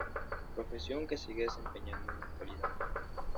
Profesión que sigue desempeñando en la actualidad.